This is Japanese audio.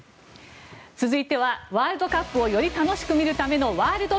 続いてはワールドカップをより楽しく見るためのワールド！